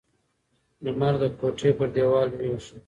لمر د کوټې پر دیوال لوېږي.